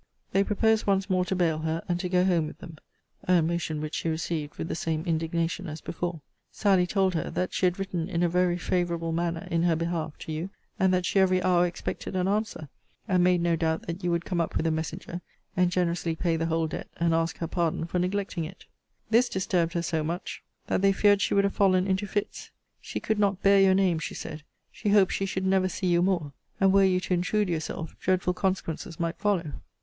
They proposed once more to bail her, and to go home with them. A motion which she received with the same indignation as before. Sally told her, That she had written in a very favourable manner, in her behalf, to you; and that she every hour expected an answer; and made no doubt, that you would come up with a messenger, and generously pay the whole debt, and ask her pardon for neglecting it. This disturbed her so much, that they feared she would have fallen into fits. She could not bear your name, she said. She hoped she should never see you more: and, were you to intrude yourself, dreadful consequences might follow.